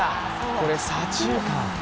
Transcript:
これ左中間。